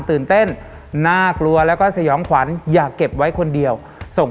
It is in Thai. ตื่นเต้นน่ากลัวแล้วก็สยองขวัญอย่าเก็บไว้คนเดียวส่ง